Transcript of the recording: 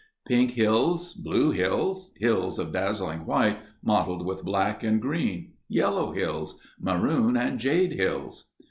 Pink hills. Blue hills. Hills of dazzling white, mottled with black and green. Yellow hills. Maroon and jade hills.